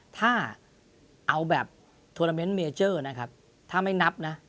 ถ้าเอาแบบบกองกระบวัดทางก็ไม่นับนะ